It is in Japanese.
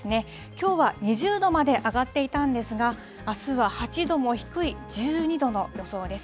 きょうは２０度まで上がっていたんですが、あすは８度も低い１２度の予想です。